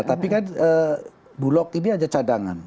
tapi kan bulog ini ada cadangan